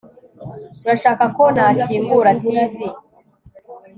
Urashaka ko nakingura TV